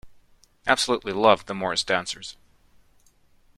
Absolutely loved the Morris dancers!